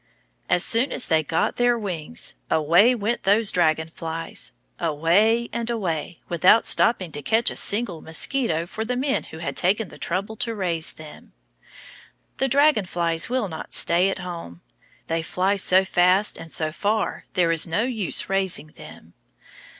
As soon as they got their wings, away went those dragon flies, away and away, without stopping to catch a single mosquito for the men who had taken the trouble to raise them. The dragon flies will not stay at home. They fly so fast and so far there is no use raising them.